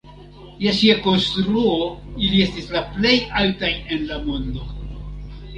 Je sia konstruo, ili estis la plej altaj en la mondo.